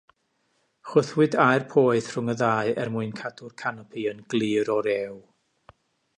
Chwythwyd aer poeth rhwng y ddau er mwyn cadw'r canopi yn glir o rew.